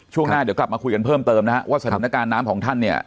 ช่วงหน้าเดี๋ยวกลับมาคุยกันเพิ่มเติมนะฮะว่าสถานการณ์น้ำของท่านเนี่ย